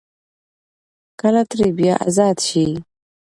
کله ترې بيا ازاد شي ـ